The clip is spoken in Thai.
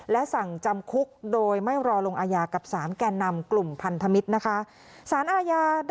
และสั่งจำคุกโดยไม่รอลงอาญากับ๓แก่นำกลุ่มพันธมิตรนะคะ